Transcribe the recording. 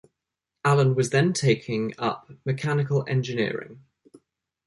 Allan was then taking up Mechanical Engineering.